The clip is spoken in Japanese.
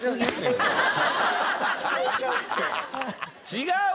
違う！